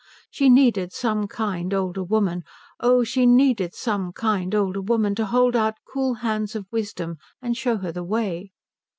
She needed some kind older woman, oh she needed some kind older woman to hold out cool hands of wisdom and show her the way.